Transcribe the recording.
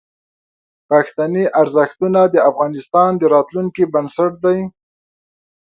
پښتني ارزښتونه د افغانستان د راتلونکي بنسټ دي.